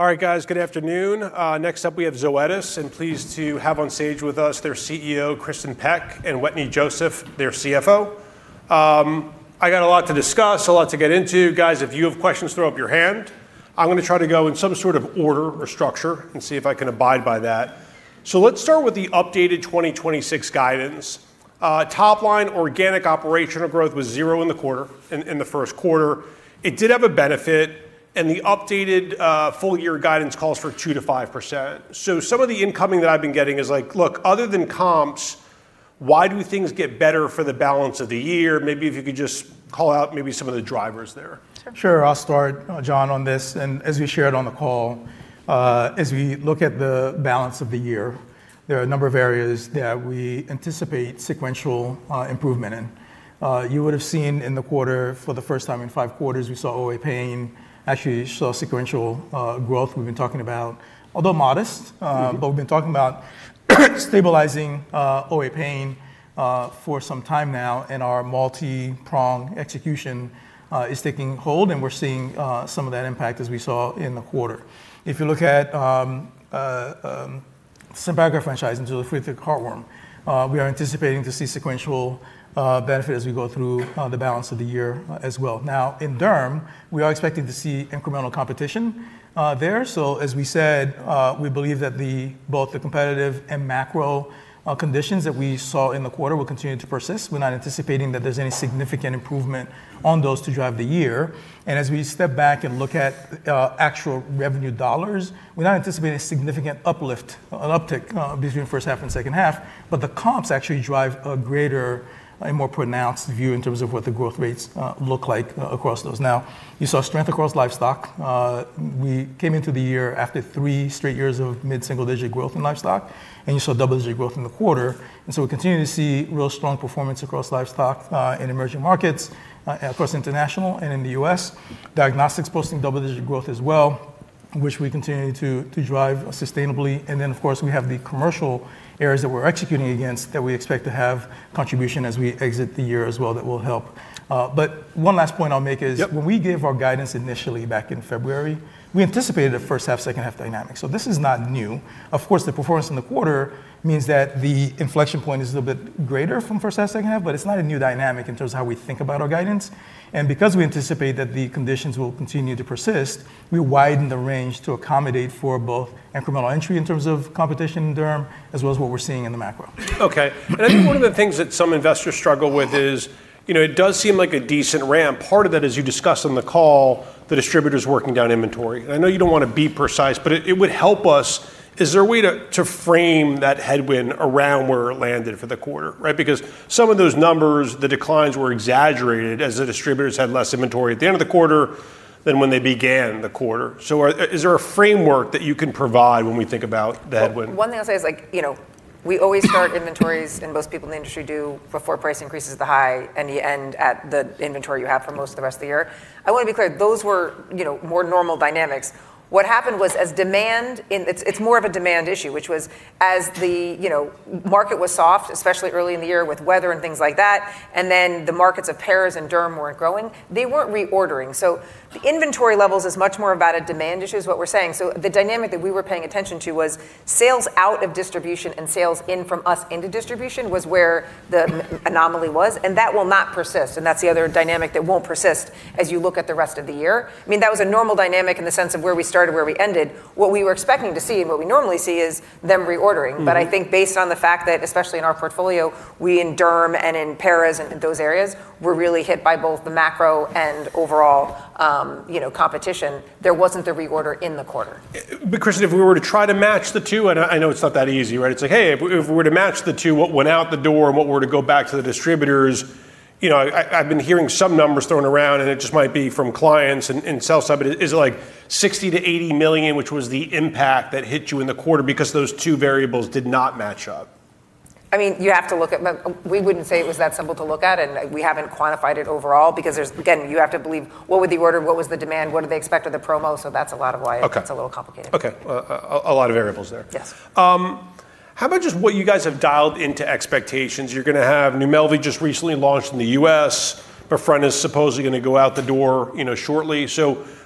All right, guys. Good afternoon. Next up, we have Zoetis. Pleased to have on stage with us their CEO, Kristin Peck, and Wetteny Joseph, their CFO. I got a lot to discuss, a lot to get into. Guys, if you have questions, throw up your hand. I'm going to try to go in some sort of order or structure, and see if I can abide by that. Let's start with the updated 2026 guidance. Top line organic operational growth was zero in the first quarter. It did have a benefit, the updated full-year guidance calls for 2%-5%. Some of the incoming that I've been getting is, look, other than comps, why do things get better for the balance of the year? Maybe if you could just call out maybe some of the drivers there. Sure. Sure. I'll start, Jon, on this. As we shared on the call, as we look at the balance of the year, there are a number of areas that we anticipate sequential improvement in. You would've seen in the quarter, for the first time in five quarters, we saw OA pain. Actually saw sequential growth, although modest. We've been talking about stabilizing OA pain for some time now. Our multi-prong execution is taking hold, and we're seeing some of that impact as we saw in the quarter. If you look at Simparica franchises with the heartworm, we are anticipating to see sequential benefit as we go through the balance of the year as well. In derm, we are expecting to see incremental competition there. As we said, we believe that both the competitive and macro conditions that we saw in the quarter will continue to persist. We're not anticipating that there's any significant improvement on those to drive the year. As we step back and look at actual revenue dollars, we're not anticipating a significant uplift, an uptick, between first half and second half, but the comps actually drive a greater and more pronounced view in terms of what the growth rates look like across those. You saw strength across livestock. We came into the year after three straight years of mid-single-digit growth in livestock, and you saw double-digit growth in the quarter. We continue to see real strong performance across livestock in emerging markets, across international and in the U.S. Diagnostics posting double-digit growth as well, which we continue to drive sustainably. Of course, we have the commercial areas that we're executing against that we expect to have contribution as we exit the year as well that will help. One last point I'll make is- Yep.... when we gave our guidance initially back in February, we anticipated a first half, second half dynamic. This is not new. Of course, the performance in the quarter means that the inflection point is a little bit greater from first half, second half, but it's not a new dynamic in terms of how we think about our guidance. Because we anticipate that the conditions will continue to persist, we widen the range to accommodate for both incremental entry in terms of competition in derm, as well as what we're seeing in the macro. Okay. I think one of the things that some investors struggle with is, it does seem like a decent ramp. Part of that, as you discussed on the call, the distributors working down inventory. I know you don't want to be precise, but it would help us. Is there a way to frame that headwind around where it landed for the quarter? Right? Because some of those numbers, the declines were exaggerated as the distributors had less inventory at the end of the quarter than when they began the quarter. Is there a framework that you can provide when we think about that wind? One thing I'll say is we always start inventories, most people in the industry do, before price increases at the high, and you end at the inventory you have for most of the rest of the year. I want to be clear, those were more normal dynamics. What happened was, it's more of a demand issue, which was as the market was soft, especially early in the year with weather and things like that, the markets of paras and derm weren't growing, they weren't reordering. The inventory levels is much more about a demand issue, is what we're saying. The dynamic that we were paying attention to was sales out of distribution and sales in from us into distribution was where the anomaly was. That will not persist, and that's the other dynamic that won't persist as you look at the rest of the year. That was a normal dynamic in the sense of where we started, where we ended. What we were expecting to see and what we normally see is them reordering. I think based on the fact that, especially in our portfolio, we in derm and in paras and those areas, were really hit by both the macro and overall competition. There wasn't the reorder in the quarter. Because if we were to try to match the two, and I know it's not that easy, right? It's like, hey, if we were to match the two, what went out the door and what were to go back to the distributors, I've been hearing some numbers thrown around. It just might be from clients and sell side, but is it like $60 million-$80 million, which was the impact that hit you in the quarter because those two variables did not match up? We wouldn't say it was that simple to look at. We haven't quantified it overall because there's, again, you have to believe what would the order, what was the demand, what do they expect of the promo. That's a lot of why. Okay. It's a little complicated. Okay. A lot of variables there. Yes. How about just what you guys have dialed into expectations? You're going to have NUMELVI just recently launched in the U.S. [Befren] is supposedly going to go out the door shortly.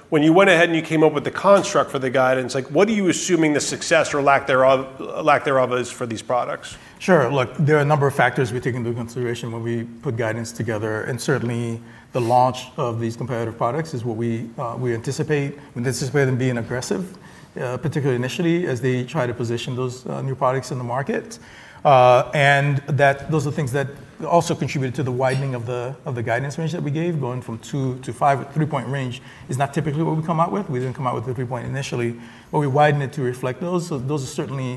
When you went ahead and you came up with the construct for the guidance, what are you assuming the success or lack thereof is for these products? Sure. Look, there are a number of factors we take into consideration when we put guidance together, certainly the launch of these competitive products is what we anticipate. This is where them being aggressive, particularly initially, as they try to position those new products in the market. Those are things that also contributed to the widening of the guidance range that we gave, going from 2% to 5%. A three-point range is not typically what we come out with. We didn't come out with the three-point initially, but we widened it to reflect those. Those are certainly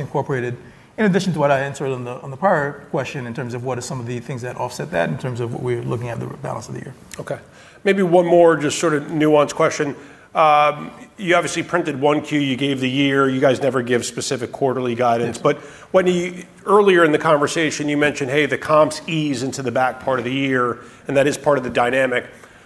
incorporated in addition to what I answered on the prior question, in terms of what are some of the things that offset that in terms of what we're looking at the balance of the year. Okay. Maybe one more just sort of nuanced question. You obviously printed 1Q, you gave the year. You guys never give specific quarterly guidance. Wetteny, earlier in the conversation, you mentioned, hey, the comps ease into the back part of the year. That is part of the dynamic.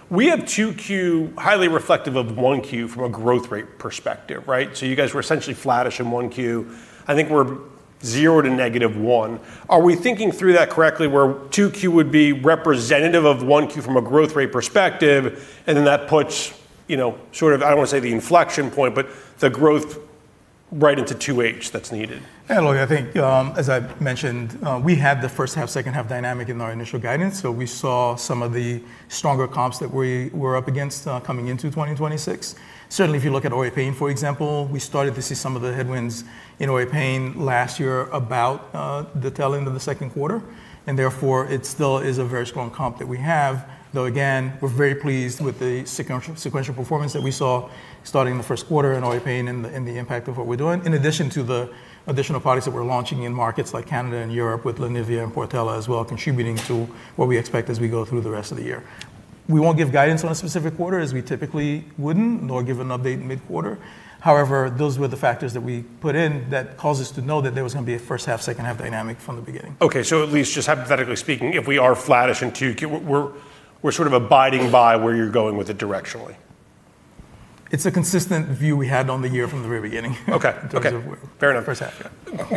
We have 2Q highly reflective of 1Q from a growth rate perspective. Right? You guys were essentially flattish in 1Q. I think we're 0% to -1%. Are we thinking through that correctly, where 2Q would be representative of 1Q from a growth rate perspective, and then that puts sort of, I don't want to say the inflection point, but the growth right into 2H that's needed? Look, I think, as I mentioned, we had the first half, second half dynamic in our initial guidance. We saw some of the stronger comps that we were up against coming into 2026. Certainly, if you look at OA pain, for example, we started to see some of the headwinds in OA pain last year about the tail end of the second quarter. Therefore, it still is a very strong comp that we have. Though again, we're very pleased with the sequential performance that we saw starting the first quarter in OA pain and the impact of what we're doing, in addition to the additional products that we're launching in markets like Canada and Europe with Lenivia and Portela as well, contributing to what we expect as we go through the rest of the year. We won't give guidance on a specific quarter, as we typically wouldn't, nor give an update mid-quarter. However, those were the factors that we put in that cause us to know that there was going to be a first half, second half dynamic from the beginning. Okay, at least just hypothetically speaking, if we are flattish in 2Q, we're sort of abiding by where you're going with it directionally. It's a consistent view we had on the year from the very beginning. Okay. Fair enough. First half, yeah.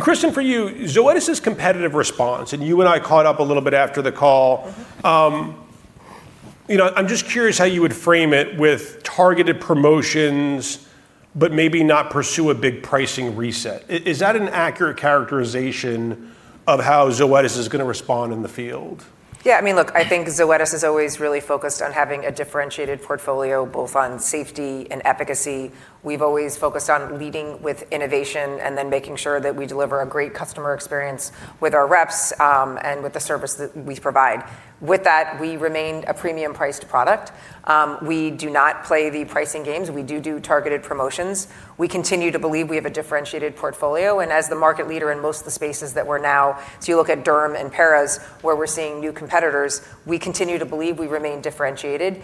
Kristin, for you, Zoetis' competitive response, and you and I caught up a little bit after the call. I'm just curious how you would frame it with targeted promotions, but maybe not pursue a big pricing reset. Is that an accurate characterization of how Zoetis is going to respond in the field? Yeah, look, I think Zoetis has always really focused on having a differentiated portfolio, both on safety and efficacy. We've always focused on leading with innovation and then making sure that we deliver a great customer experience with our reps, and with the service that we provide. With that, we remain a premium-priced product. We do not play the pricing games. We do targeted promotions. We continue to believe we have a differentiated portfolio. As the market leader in most of the spaces that we're now, so you look at derm and paras, where we're seeing new competitors, we continue to believe we remain differentiated.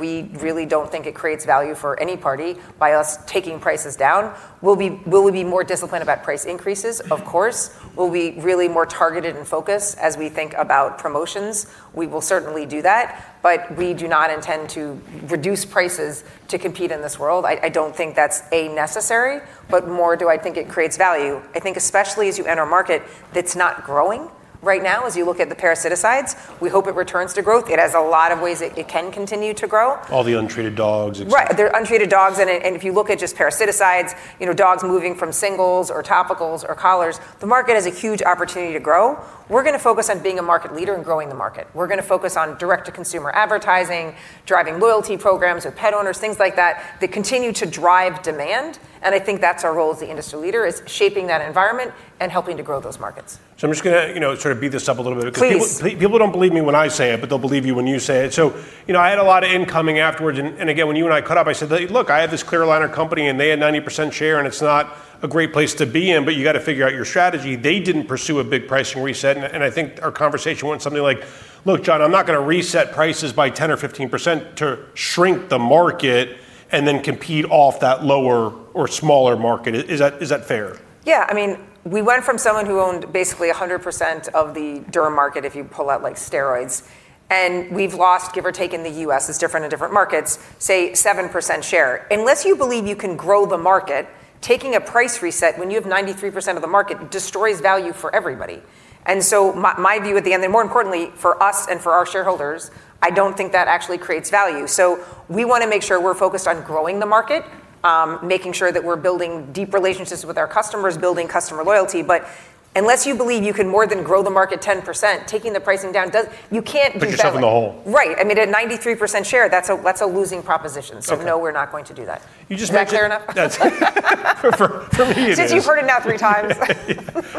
We really don't think it creates value for any party by us taking prices down. Will we be more disciplined about price increases? Of course. Will we really be more targeted and focused as we think about promotions? We will certainly do that, but we do not intend to reduce prices to compete in this world. I don't think that's A, necessary, but more do I think it creates value. I think especially as you enter a market that's not growing right now, as you look at the parasiticides. We hope it returns to growth. It has a lot of ways that it can continue to grow. All the untreated dogs, et cetera. Right. They're untreated dogs, and if you look at just parasiticides, dogs moving from singles or topicals or collars, the market has a huge opportunity to grow. We're going to focus on being a market leader and growing the market. We're going to focus on direct-to-consumer advertising, driving loyalty programs with pet owners, things like that, that continue to drive demand, and I think that's our role as the industry leader is shaping that environment and helping to grow those markets. I'm just going to sort of beat this up a little bit. Please. People don't believe me when I say it, they'll believe you when you say it. I had a lot of incoming afterwards. Again, when you and I caught up, I said, "Look, I have this clear aligner company, they had 90% share, it's not a great place to be in. You got to figure out your strategy." They didn't pursue a big pricing reset, I think our conversation went something like, "Look, Jon, I'm not going to reset prices by 10% or 15% to shrink the market and then compete off that lower or smaller market." Is that fair? Yeah. We went from someone who owned basically 100% of the derm market, if you pull out steroids. We've lost, give or take in the U.S., it's different in different markets, say, 7% share. Unless you believe you can grow the market, taking a price reset when you have 93% of the market destroys value for everybody. My view at the end there, more importantly for us and for our shareholders, I don't think that actually creates value. We want to make sure we're focused on growing the market, making sure that we're building deep relationships with our customers, building customer loyalty. Unless you believe you can more than grow the market 10%, taking the pricing down, you can't do that. Puts yourself in the hole. Right. At 93% share, that's a losing proposition- Okay.... so, no, we're not going to do that. You just mentioned- Is that clear enough? That's perfect. For me, it is. Since you've heard it now three times.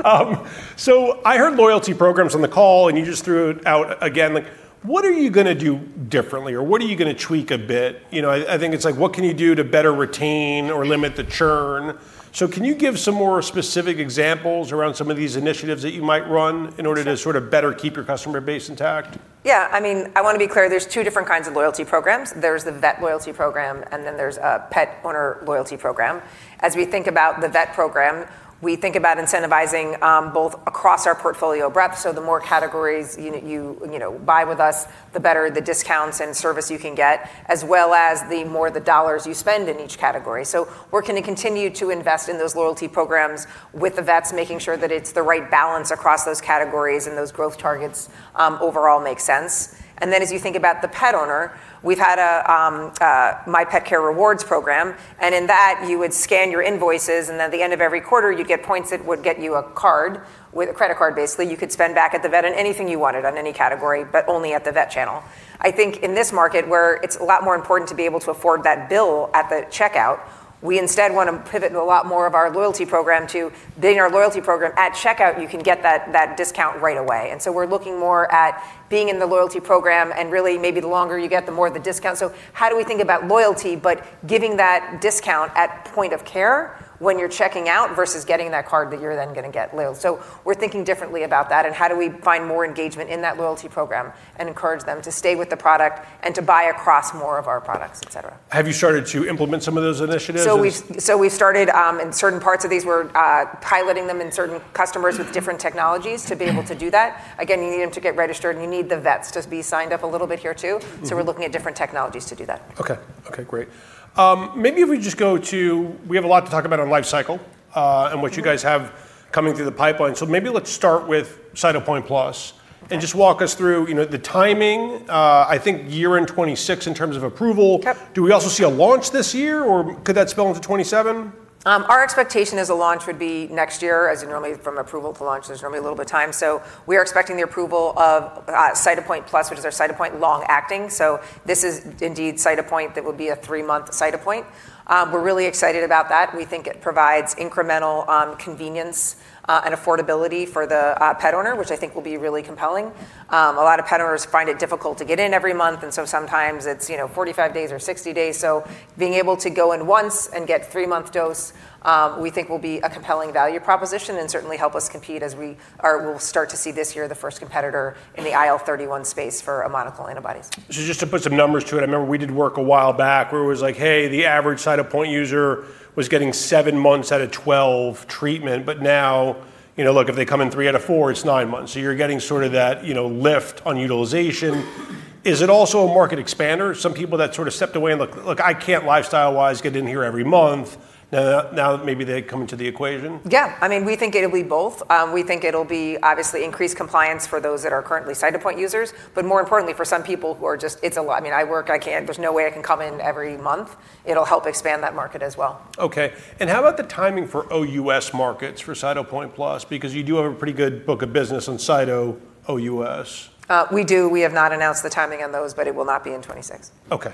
I heard loyalty programs on the call, and you just threw it out again. What are you going to do differently, or what are you going to tweak a bit? I think it's like, what can you do to better retain or limit the churn? Can you give some more specific examples around some of these initiatives that you might run in order to sort of better keep your customer base intact? Yeah. I want to be clear, there's two different kinds of loyalty programs. There's the vet loyalty program. There's a pet owner loyalty program. As we think about the vet program, we think about incentivizing, both across our portfolio breadth. The more categories you buy with us, the better the discounts and service you can get, as well as the more the dollars you spend in each category. We're going to continue to invest in those loyalty programs with the vets, making sure that it's the right balance across those categories and those growth targets overall make sense. As you think about the pet owner, we've had a my Petcare Rewards program, and in that you would scan your invoices. At the end of every quarter, you'd get points that would get you a card. With a credit card, basically, you could spend back at the vet on anything you wanted on any category, but only at the vet channel. I think in this market, where it's a lot more important to be able to afford that bill at the checkout, we instead want to pivot a lot more of our loyalty program to being our loyalty program at checkout, you can get that discount right away. We're looking more at being in the loyalty program, and really maybe the longer you get, the more the discount. How do we think about loyalty, but giving that discount at point of care when you're checking out versus getting that card that you're then going to get loyal. We're thinking differently about that, and how do we find more engagement in that loyalty program and encourage them to stay with the product and to buy across more of our products, et cetera. Have you started to implement some of those initiatives? We've started. In certain parts of these, we're piloting them in certain customers with different technologies to be able to do that. Again, you need them to get registered, and you need the vets to be signed up a little bit here, too. We're looking at different technologies to do that. Okay. Great. Maybe if we just go to, we have a lot to talk about on life cycle. What you guys have coming through the pipeline. Maybe let's start with Cytopoint Plus. Just walk us through the timing, I think year-end 2026 in terms of approval. Yep. Do we also see a launch this year, or could that spill into 2027? Our expectation is a launch would be next year, as you know, from approval to launch, there's normally a little bit of time. We are expecting the approval of Cytopoint Plus, which is our Cytopoint long-acting. This is indeed Cytopoint that would be a three-month Cytopoint. We're really excited about that. We think it provides incremental convenience and affordability for the pet owner, which I think will be really compelling. A lot of pet owners find it difficult to get in every month. Sometimes it's 45 days or 60 days. Being able to go in once and get three-month dose, we think will be a compelling value proposition and certainly help us compete as we will start to see this year the first competitor in the IL-31 space for monoclonal antibodies. Just to put some numbers to it. I remember we did work a while back where it was like, hey, the average Cytopoint user was getting seven months out of 12 treatment. Now, look, if they come in three out of four months, it's nine months. You're getting sort of that lift on utilization. Is it also a market expander? Some people that sort of stepped away and look, I can't lifestyle-wise get in here every month. Now maybe they come into the equation? Yeah. We think it'll be both. We think it'll be obviously increased compliance for those that are currently Cytopoint users. More importantly, for some people who are just, it's a lot. I work, there's no way I can come in every month. It'll help expand that market as well. Okay. How about the timing for OUS markets for Cytopoint Plus? You do have a pretty good book of business on Cyto OUS. We do. We have not announced the timing on those, it will not be in 2026. Okay.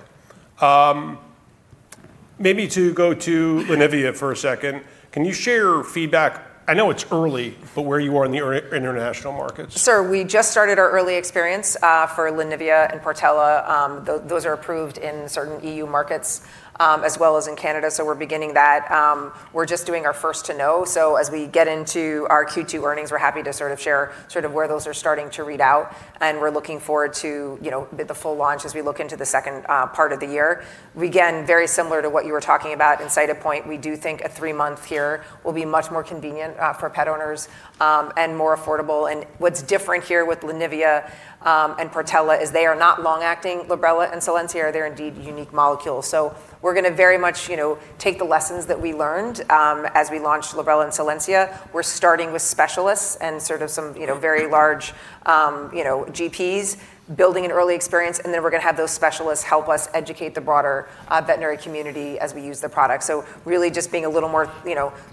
Maybe to go to Lenivia for a second. Can you share feedback, I know it's early, but where you are in the international markets? Sure. We just started our early experience for Lenivia and Portela. Those are approved in certain EU markets, as well as in Canada. We're beginning that. We're just doing our first-to-know. As we get into our Q2 earnings, we're happy to share where those are starting to read out, and we're looking forward to the full launch as we look into the second part of the year. Very similar to what you were talking about in Cytopoint, we do think a three-month here will be much more convenient for pet owners, and more affordable. What's different here with Lenivia and Portela is they are not long-acting. Librela and Solensia are. They're indeed unique molecules. We're going to very much take the lessons that we learned as we launched Librela and Solensia. We're starting with specialists and some very large GPs building an early experience. Then we're going to have those specialists help us educate the broader veterinary community as we use the product. Really just being a little more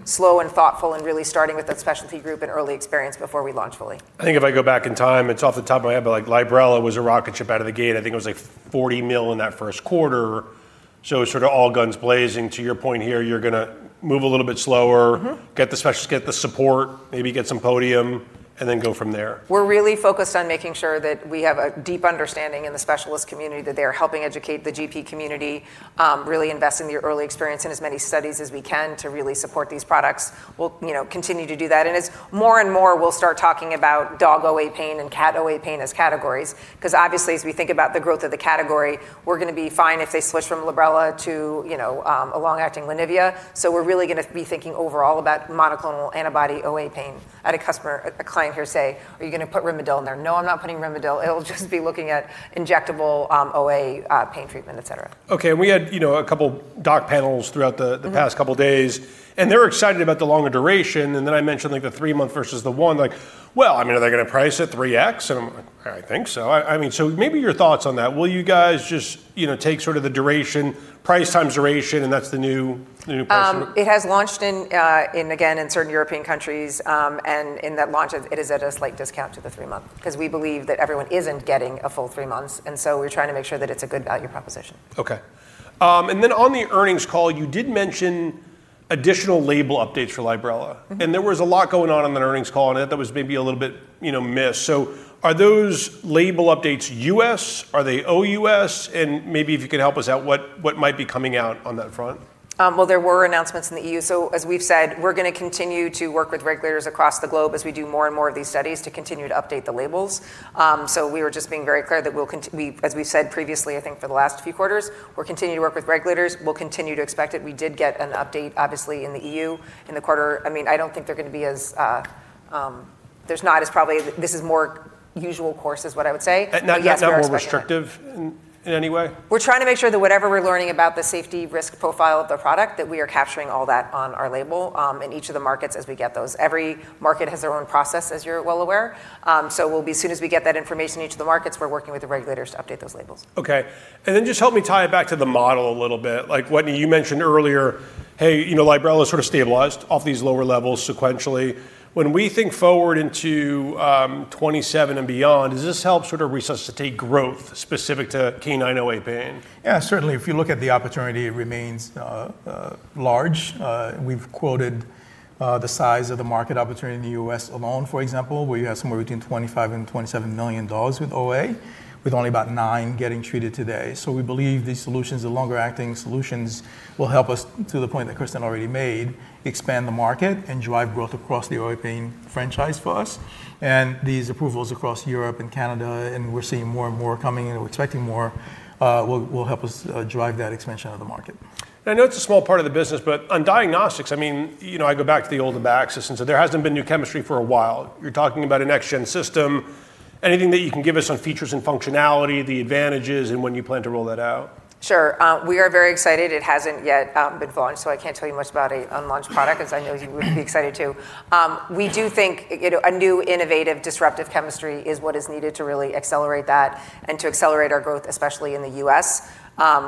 slow and thoughtful and really starting with that specialty group and early experience before we launch fully. I think if I go back in time, it's off the top of my head, Librela was a rocket ship out of the gate. I think it was like $40 million in that first quarter, all guns blazing. To your point here, you're going to move a little bit slower. Get the specialist, get the support, maybe get some podium, and then go from there. We're really focused on making sure that we have a deep understanding in the specialist community, that they are helping educate the GP community, really invest in the early experience in as many studies as we can to really support these products. We'll continue to do that and it's more and more we'll start talking about dog OA pain and cat OA pain as categories, because obviously as we think about the growth of the category, we're going to be fine if they switch from Librela to a long-acting Lenivia. We're really going to be thinking overall about monoclonal antibody OA pain. Had a client hear say, "Are you going to put Rimadyl in there?" No, I'm not putting Rimadyl. It'll just be looking at injectable OA pain treatment, et cetera. Okay. We had a couple derm panels throughout the past couple days. They're excited about the longer duration. I mentioned the three-month versus the one-month, like, well, are they going to price it 3x? I'm like, I think so. Maybe your thoughts on that. Will you guys just take the duration, price times duration, and that's the new pricing? It has launched in, again, certain European countries. In that launch, it is at a slight discount to the three-month, because we believe that everyone isn't getting a full three months, and so we're trying to make sure that it's a good value proposition. Okay. Then on the earnings call, you did mention additional label update for Librela. There was a lot going on on that earnings call and that was maybe a little bit missed. Are those label updates U.S., are they OUS? Maybe if you could help us out with what might be coming out on that front? There were announcements in the EU. As we've said, we're going to continue to work with regulators across the globe, as we do more and more of these studies to continue to update the labels. We were just being very clear that as we've said previously, I think for the last few quarters, we'll continue to work with regulators. We'll continue to expect it. We did get an update, obviously, in the EU in the quarter. This is more usual course is what I would say. Not more restrictive in any way? We're trying to make sure that whatever we're learning about the safety risk profile of the product, that we are capturing all that on our label, in each of the markets as we get those. Every market has their own process, as you're well aware. As soon as we get that information in each of the markets, we're working with the regulators to update those labels. Okay. Just help me tie it back to the model a little bit. Like Wetteny, you mentioned earlier, Librela stabilized off these lower levels sequentially. When we think forward into 2027 and beyond, does this help resuscitate growth specific to canine OA pain? Yeah, certainly. You look at the opportunity, it remains large. We've quoted the size of the market opportunity in the U.S. alone. For example, where you have somewhere between $25 million and $27 million with OA, with only about nine getting treated today. We believe these solutions, the longer-acting solutions, will help us, to the point that Kristin already made, expand the market and drive growth across the OA pain franchise for us. These approvals across Europe and Canada, we're seeing more and more coming in, we're expecting more, will help us drive that expansion of the market. I know it's a small part of the business. But on diagnostics, I go back to the old Abaxis, and so there hasn't been new chemistry for a while. You're talking about a next-gen system. Anything that you can give us on features and functionality, the advantages, and when you plan to roll that out? Sure. We are very excited. It hasn't yet been launched. I can't tell you much about an unlaunched product, as I know you would be excited too. We do think a new, innovative, disruptive chemistry is what is needed to really accelerate that and to accelerate our growth, especially in the U.S.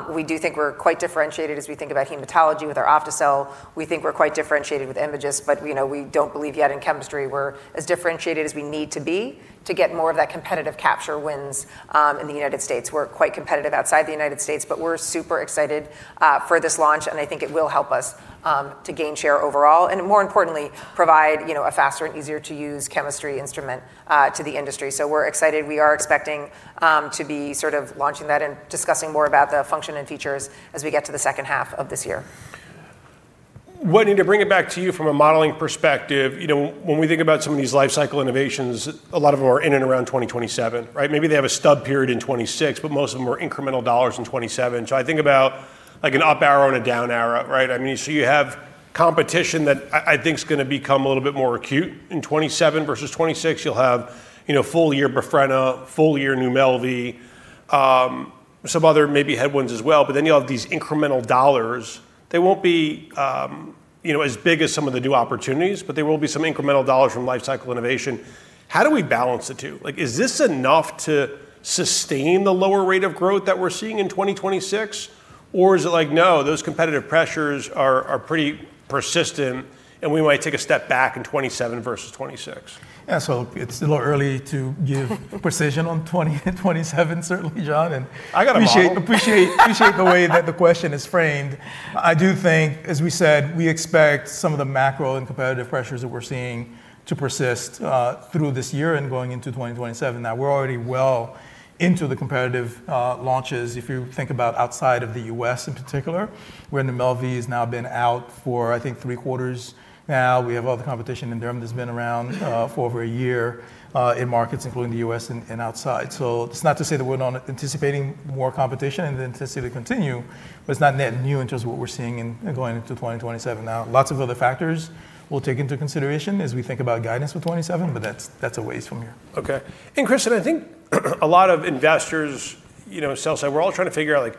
We do think we're quite differentiated as we think about hematology with our OptiCell. We think we're quite differentiated with Imagyst. We don't believe yet in chemistry we're as differentiated as we need to be to get more of that competitive capture wins in the U.S. We're quite competitive outside the U.S., we're super excited for this launch. I think it will help us to gain share overall, more importantly, provide a faster and easier-to-use chemistry instrument to the industry. We're excited. We are expecting to be launching that and discussing more about the function and features as we get to the second half of this year. Wetteny, to bring it back to you from a modeling perspective. When we think about some of these life cycle innovations, a lot of them are in and around 2027, right? Maybe they have a stub period in 2026, but most of them are incremental dollars in 2027. I think about an up arrow and a down arrow, right? You have competition that I think is going to become a little bit more acute in 2027 versus 2026. You'll have full-year Befrena, full year NUMELVI. Some other maybe headwinds as well, then you'll have these incremental dollars. They won't be as big as some of the new opportunities, but there will be some incremental dollars from life cycle innovation. How do we balance the two? Is this enough to sustain the lower rate of growth that we're seeing in 2026? Is it like, no, those competitive pressures are pretty persistent, and we might take a step back in 2027 versus 2026? Yeah. It's a little early to give precision on 2027, certainly, Jon. I got a model. Appreciate the way that the question is framed. I do think, as we said, we expect some of the macro and competitive pressures that we're seeing to persist through this year and going into 2027. We're already well into the competitive launches. If you think about outside of the U.S. in particular, where NUMELVI has now been out for, I think, three quarters now. We have other competition in derm that's been around for over a year in markets including the U.S. and outside. It's not to say that we're not anticipating more competition and the intensity to continue, but it's not net new in terms of what we're seeing in going into 2027 now. Lots of other factors we'll take into consideration as we think about guidance for 2027, but that's a ways from here. Okay. Kristin, I think a lot of investors, sell-side. We're all trying to figure out,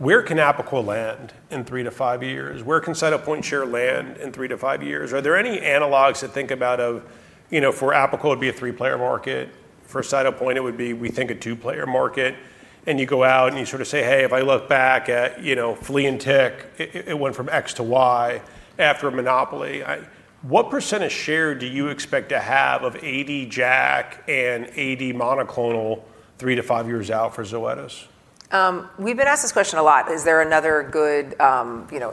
where can Apoquel land in three to five years? Where can Cytopoint share land in three to five years? Are there any analogs to think about of, for Apoquel, it would be a three-player market. For Cytopoint, it would be, we think, a two-player market. You go out and you say, "Hey, if I look back at flea and tick, it went from X to Y after a monopoly." What percent of share do you expect to have of AD JAK and AD monoclonal three to five years out for Zoetis? We've been asked this question a lot. Is there another good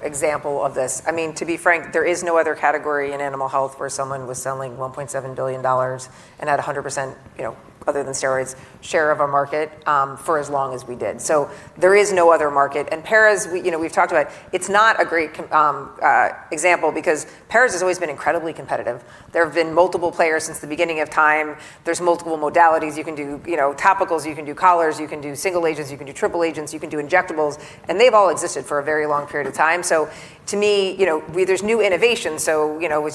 example of this? To be frank, there is no other category in animal health where someone was selling $1.7 billion and had 100%, other than steroids, share of a market, for as long as we did. There is no other market. Paras, we've talked about, it's not a great example because paras has always been incredibly competitive. There have been multiple players since the beginning of time. There's multiple modalities. You can do topicals, you can do collars, you can do single agents, you can do triple agents, you can do injectables. They've all existed for a very long period of time. To me, there's new innovation. As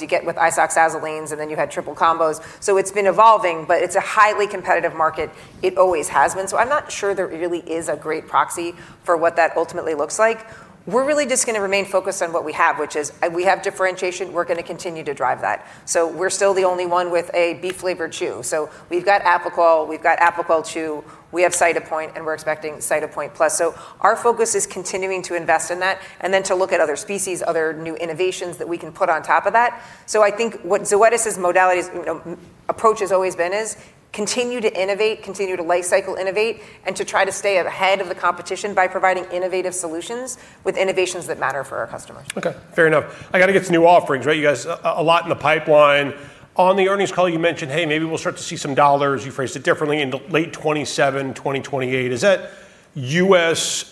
you get with isoxazolines. Then, you had triple combos, so it's been evolving, but it's a highly competitive market. It always has been. I'm not sure there really is a great proxy for what that ultimately looks like. We're really just going to remain focused on what we have, which is we have differentiation, we're going to continue to drive that. We're still the only one with a beef-flavored chew. We've got Apoquel, we've got Apoquel Chew, we have Cytopoint, and we're expecting Cytopoint Plus. Our focus is continuing to invest in that and then to look at other species, other new innovations that we can put on top of that. I think what Zoetis' approach has always been is continue to innovate, continue to life cycle innovate, and to try to stay ahead of the competition by providing innovative solutions with innovations that matter for our customers. Okay. Fair enough. I got to get to new offerings, right? You guys, a lot in the pipeline. On the earnings call you mentioned, hey, maybe we'll start to see some dollars, you phrased it differently, in late 2027, 2028. Is that U.S.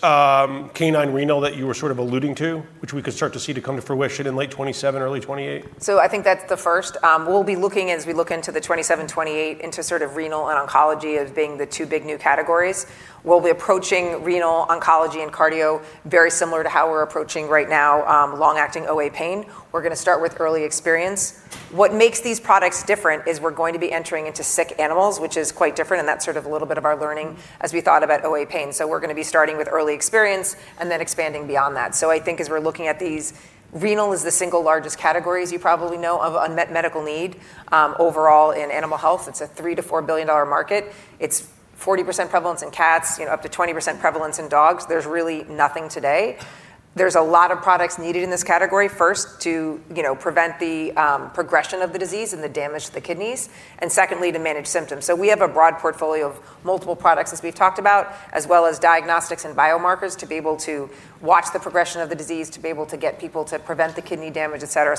canine renal that you were alluding to, which we could start to see to come to fruition in late 2027, early 2028? I think that's the first. We'll be looking, as we look into the 2027, 2028, into renal and oncology as being the two big new categories. We'll be approaching renal oncology and cardio very similar to how we're approaching right now long-acting OA pain. We're going to start with early experience. What makes these products different is we're going to be entering into sick animals, which is quite different, and that's a little bit of our learning as we thought about OA pain. We're going to be starting with early experience and then expanding beyond that. I think as we're looking at these, renal is the single largest category, as you probably know, of unmet medical need. Overall in animal health, it's a $3 billion-$4 billion market. It's 40% prevalence in cats, up to 20% prevalence in dogs. There's really nothing today. There's a lot of products needed in this category, first, to prevent the progression of the disease and the damage to the kidneys and secondly, to manage symptoms. We have a broad portfolio of multiple products as we've talked about, as well as diagnostics and biomarkers, to be able to watch the progression of the disease, to be able to get people to prevent the kidney damage, et cetera.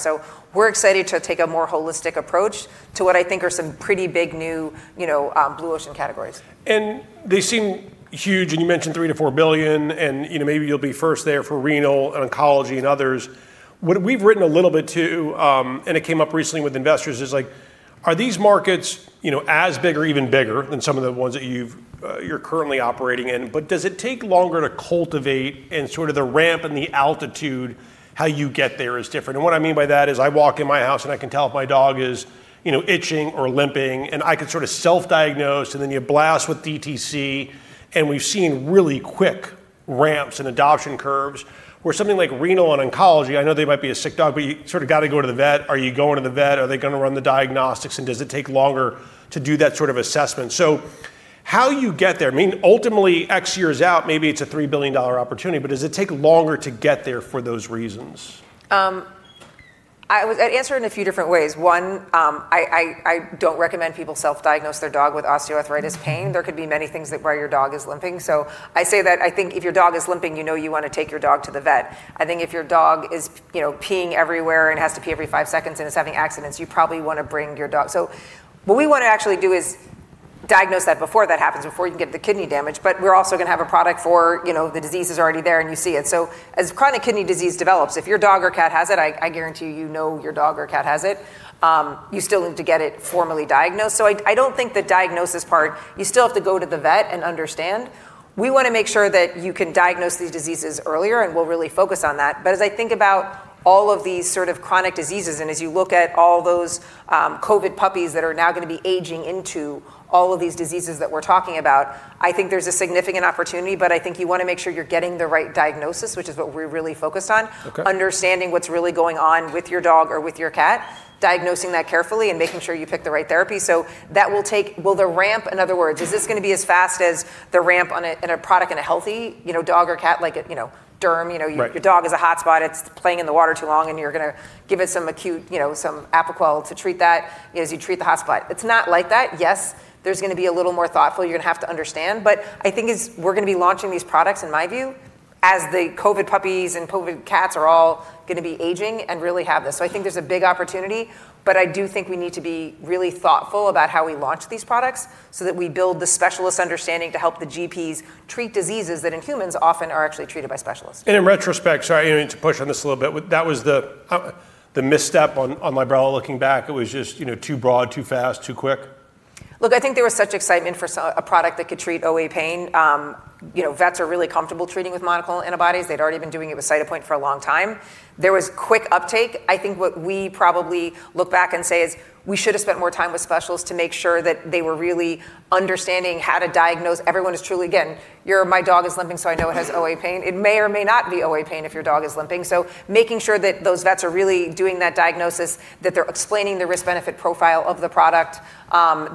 We're excited to take a more holistic approach to what I think are some pretty big, new blue ocean categories. They seem huge, and you mentioned $3 billion-$4 billion, and maybe you'll be first there for renal and oncology and others. What we've written a little bit too. It came up recently with investors, is are these markets as big or even bigger than some of the ones that you're currently operating in? Does it take longer to cultivate and sort of the ramp and the altitude how you get there is different? What I mean by that is I walk in my house, I can tell if my dog is itching or limping. I can sort of self-diagnose, and then you blast with DTC. We've seen really quick ramps and adoption curves. Something like renal and oncology, I know they might be a sick dog, but you sort of got to go to the vet. Are you going to the vet? Are they going to run the diagnostics? Does it take longer to do that sort of assessment? How you get there, ultimately X years out, maybe it's a $3 billion opportunity, but does it take longer to get there for those reasons? I'd answer it in a few different ways. One, I don't recommend people self-diagnose their dog with osteoarthritis pain. There could be many things why your dog is limping. I say that I think if your dog is limping, you know you want to take your dog to the vet. I think if your dog is peeing everywhere and has to pee every five seconds and is having accidents, you probably want to bring your dog. What we want to actually do is diagnose that before that happens, before you can get the kidney damage. We're also going to have a product for the disease is already there and you see it. As chronic kidney disease develops, if your dog or cat has it, I guarantee you know your dog or cat has it. You still need to get it formally diagnosed. I don't think the diagnosis part, you still have to go to the vet and understand. We want to make sure that you can diagnose these diseases earlier, and we'll really focus on that. As I think about all of these sort of chronic diseases, and as you look at all those COVID puppies that are now going to be aging into all of these diseases that we're talking about, I think there's a significant opportunity. I think you want to make sure you're getting the right diagnosis, which is what we're really focused on. Okay. Understanding what's really going on with your dog or with your cat, diagnosing that carefully, and making sure you pick the right therapy. Will the ramp, in other words, is this going to be as fast as the ramp in a product in a healthy dog or cat like a derm? Right. Your dog has a hot spot, it's playing in the water too long, and you're going to give it some acute, some Apoquel to treat that, as you treat the hot spot. It's not like that. Yes, there's going to be a little more thoughtful. You're going to have to understand. I think as we're going to be launching these products, in my view, as the COVID puppies and COVID cats are all going to be aging and really have this. I think there's a big opportunity, but I do think we need to be really thoughtful about how we launch these products, so that we build the specialist understanding to help the GPs treat diseases that in humans often are actually treated by specialists. In retrospect, sorry to push on this a little bit, that was the misstep on Librela, looking back. It was just too broad, too fast, too quick? I think there was such excitement for a product that could treat OA pain. Vets are really comfortable treating with monoclonal antibodies. They'd already been doing it with Cytopoint for a long time. There was quick uptake. I think what we probably look back and say is we should have spent more time with specialists to make sure that they were really understanding how to diagnose. Everyone who's truly, again, my dog is limping, so I know it has OA pain. It may or may not be OA pain if your dog is limping. Making sure that those vets are really doing that diagnosis, that they're explaining the risk-benefit profile of the product,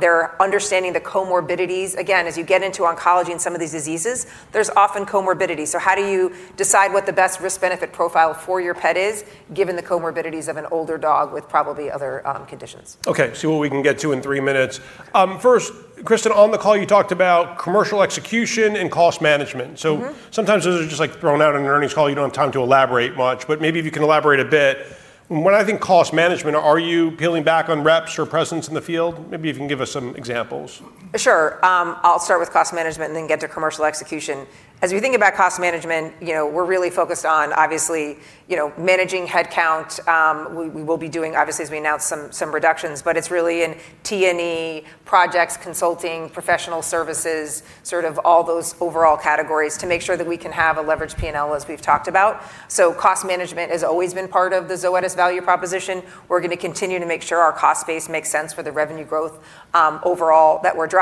they're understanding the comorbidities. Again, as you get into oncology and some of these diseases, there's often comorbidity. How do you decide what the best risk-benefit profile for your pet is given the comorbidities of an older dog with probably other conditions. Okay. See what we can get to in three minutes. First, Kristin, on the call you talked about commercial execution and cost management. Sometimes those are just thrown out on an earnings call, you don't have time to elaborate much, but maybe if you can elaborate a bit. When I think cost management, are you peeling back on reps or presence in the field? Maybe you can give us some examples. Sure. I'll start with cost management and then get to commercial execution. We think about cost management, we're really focused on, obviously, managing headcount. We will be doing, obviously, as we announced, some reductions. But it's really in T&E projects, consulting, professional services, all those overall categories to make sure that we can have a leverage P&L as we've talked about. Cost management has always been part of the Zoetis value proposition. We're going to continue to make sure our cost base makes sense for the revenue growth overall that we're driving.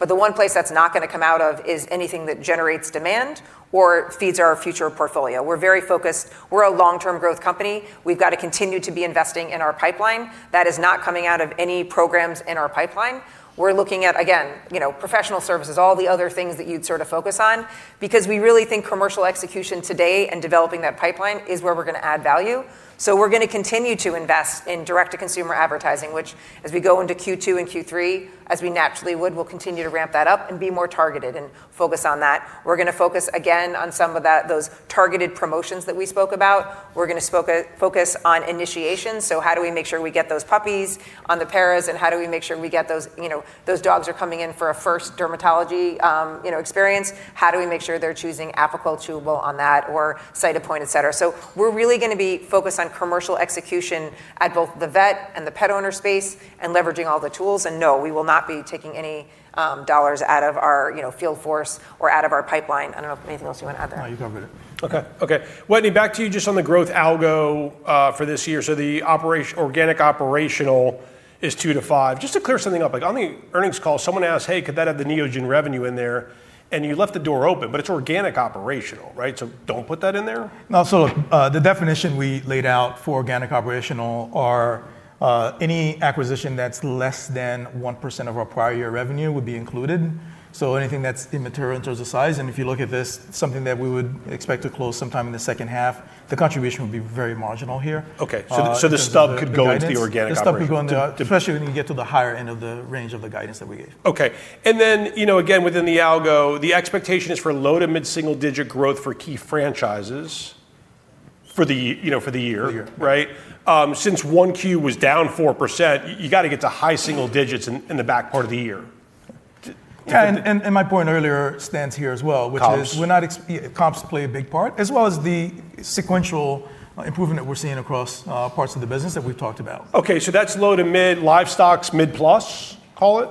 The one place that's not going to come out of is anything that generates demand, or feeds our future portfolio. We're very focused. We're a long-term growth company. We've got to continue to be investing in our pipeline. That is not coming out of any programs in our pipeline. We're looking at, again, professional services. All the other things that you'd focus on because we really think commercial execution today and developing that pipeline is where we're going to add value. We're going to continue to invest in direct-to-consumer advertising, which as we go into Q2 and Q3, as we naturally would, we'll continue to ramp that up and be more targeted and focused on that. We're going to focus again on some of those targeted promotions that we spoke about. We're going to focus on initiation. How do we make sure we get those puppies on the paras and how do we make sure we get those dogs who are coming in for a first dermatology experience, how do we make sure they're choosing Apoquel Chewable on that or Cytopoint, et cetera? We're really going to be focused on commercial execution at both the vet and the pet owner space and leveraging all the tools. No, we will not be taking any dollars out of our field force or out of our pipeline. I don't know if anything else you want to add there? No, you covered it. Wetteny, back to you just on the growth algo for this year. The organic operational is 2% to 5%. Just to clear something up, on the earnings call, someone asked, "Hey, could that have the Neogen revenue in there?" You left the door open, but it's organic operational, right? Don't put that in there? No. The definition we laid out for organic operational are any acquisition that's less than 1% of our prior year revenue would be included. Anything that's immaterial in terms of size, and if you look at this, something that we would expect to close sometime in the second half, the contribution would be very marginal here. Okay. The stub could go into the organic operation. The stub can go... especially when you get to the higher end of the range of the guidance that we gave. Okay. Then, again, within the algo, the expectation is for low- to mid-single digit growth for key franchises for the year. The year. Right? Since 1Q was down 4%, you got to get to high-single digits in the back part of the year? My point earlier stands here as well, which is- Comps. Comps play a big part, as well as the sequential improvement that we're seeing across parts of the business that we've talked about. Okay. That's low to mid, livestock's mid-plus, call it,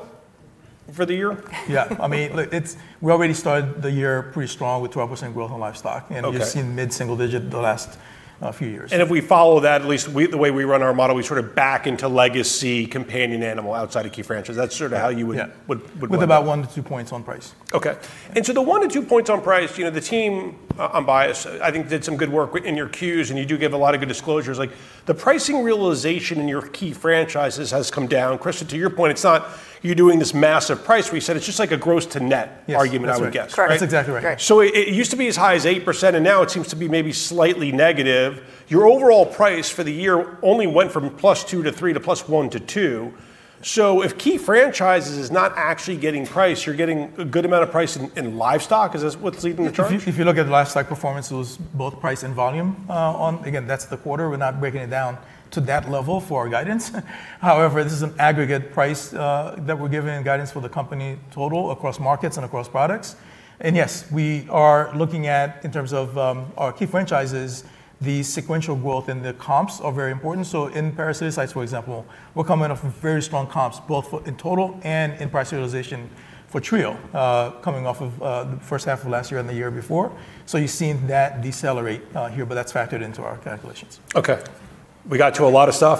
for the year? Yeah. We already started the year pretty strong with 12% growth in livestock. Okay. You've seen mid-single digit the last few years. If we follow that, at least the way we run our model, we back into legacy companion animal outside of key franchises. That's sort of how you would look at that. With about one to two points on price. Okay. The one to two points on price, the team, I'm biased, I think did some good work in your Q's and you do give a lot of good disclosures. The pricing realization in your key franchises has come down. Kristin, to your point, it's not you doing this massive price reset, it's just like a gross to net argument, I would guess. Correct. That's exactly right. Correct. It used to be as high as 8%, and now it seems to be maybe slightly negative. Your overall price for the year only went from +2%-+3% to +1%-+2%. If key franchises is not actually getting price, you're getting a good amount of price in livestock. Is this what's leading the charge? If you look at the livestock performance, it was both price and volume. Again, that's the quarter. We're not breaking it down to that level for our guidance. However, this is an aggregate price that we're giving in guidance for the company total across markets and across products. Yes, we are looking at, in terms of our key franchises, the sequential growth and the comps are very important. In parasiticides, for example, we're coming off of very strong comps both in total and in price realization for Trio, coming off of the first half of last year and the year before. You've seen that decelerate here, but that's factored into our calculations. Okay. We got to a lot of stuff.